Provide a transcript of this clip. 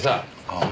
ああ。